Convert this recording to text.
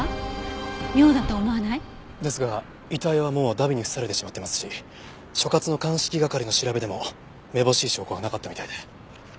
妙だと思わない？ですが遺体はもう荼毘に付されてしまってますし所轄の鑑識係の調べでもめぼしい証拠はなかったみたいで。